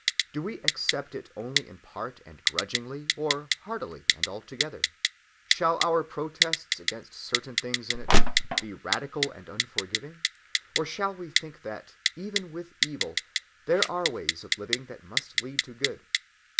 Do we accept it only in part and grudgingly, or heartily and altogether? Shall our protests against certain things in it be radical and unforgiving, or shall we think that, even with evil, there are ways of living that must lead to good?